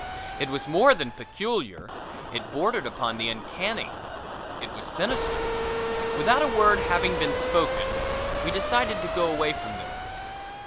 It was more than peculiar it bordered upon the uncanny. It was sinister. Without a word having been spoken we decided to go away from there.